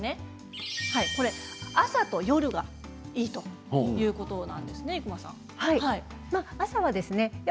朝と夜がいいということなんですね。